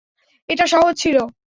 এটা সহজ ছিল।